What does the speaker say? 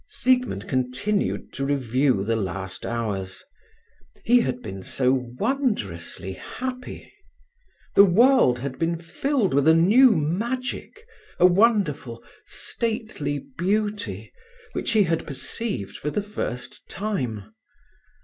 Siegmund continued to review the last hours. He had been so wondrously happy. The world had been filled with a new magic, a wonderful, stately beauty which he had perceived for the first time.